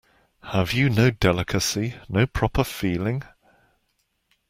Have you no delicacy, no proper feeling?